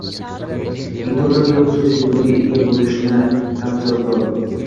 ming dollarga u xususiy do`konga ega bo`lishini ham hisobga ol